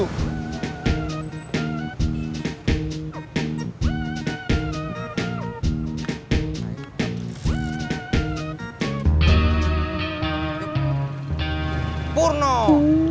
ya banget bang